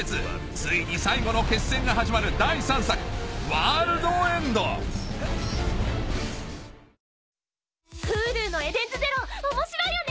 ついに最後の決戦が始まる第３作『ワールド・エンド』Ｈｕｌｕの『エデンズゼロ』面白いよね！